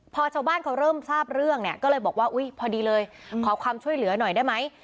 พอชาวบ้านเขาเริ่มทราบเรื่องเนี่ยก็เลยบอกว่าอุ้ยพอดีเลยขอความช่วยเหลือหน่อยได้ไหม